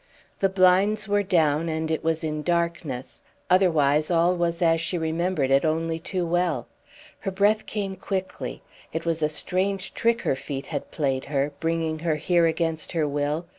The blinds were down, and it was in darkness, otherwise all was as she remembered it only too well. Her breath came quickly. It was a strange trick her feet had played her, bringing her here against her will!